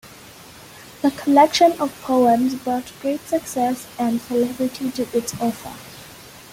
The collection of poems brought great success and celebrity to its author.